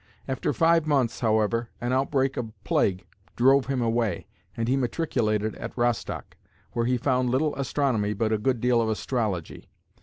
After five months, however, an outbreak of plague drove him away, and he matriculated at Rostock, where he found little astronomy but a good deal of astrology.